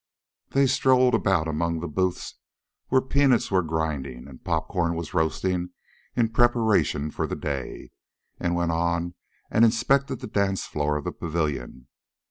They strolled about among the booths where peanuts were grinding and popcorn was roasting in preparation for the day, and went on and inspected the dance floor of the pavilion.